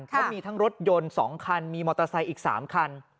เขามีทั้งรถยนต์๒คันมีมอเตอร์ไซค์อีก๓คัน